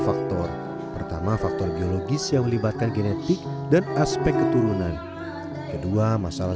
faktor pertama faktor geologis yang melibatkan genetik dan aspek keturunan kedua masalah